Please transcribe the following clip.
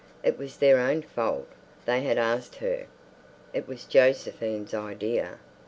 It was their own fault; they had asked her. It was Josephine's idea.